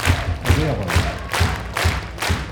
Rriɣ-n.